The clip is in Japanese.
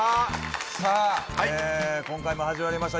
さぁ今回も始まりました